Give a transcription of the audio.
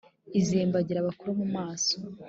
Izembagira Abakuru mu maso,